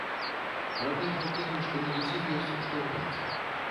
Праблема ў тым, што не зусім ёсць што граць.